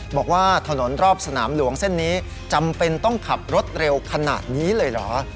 บอกว่าถนนรอบสนามหลวงเส้นนี้จำเป็นต้องขับรถเร็วขนาดนี้เลยเหรอ